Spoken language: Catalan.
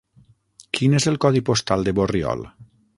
Quin és el codi postal de Borriol?